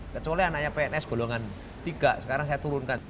kecuali anaknya pns golongan tiga sekarang saya turunkan